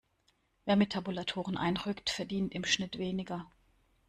Wer mit Tabulatoren einrückt, verdient im Schnitt weniger.